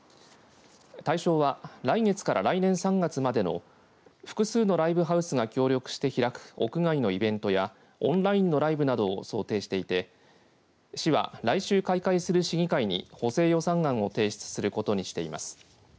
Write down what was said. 対象は来月から来年３月までの複数のライブハウスが協力して開く屋外のイベントやオンラインのライブなどを想定していて市は来週開会する市議会に補正予算案を提出することにしています。